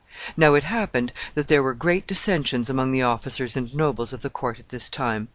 Now it happened that there were great dissensions among the officers and nobles of the court at this time.